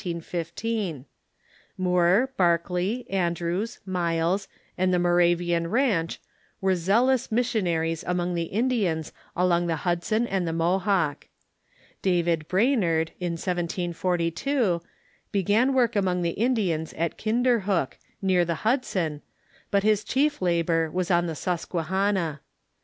Moore, Barclay, An drews, Miles, and the Moravian Ranch were zealous mission aries among the Indians along the Hudson and the Mohawk. David Brainerd, in 1742, began work among the Indians at Kinderhook, near the Hudson, but his chief labor was on the Susquehanna.